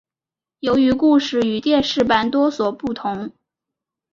由于故事与电视版多所不同。